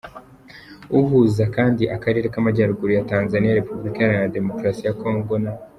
Uhuza kandi Akarere k’Amajyaruguru ya Tanzania, Repubulika Iharanira Demokarasi ya Congo na.